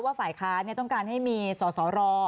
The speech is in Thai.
ว่าฝ่ายค้านี้ต้องการให้มีสสร